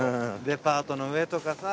デパートの上とかさ。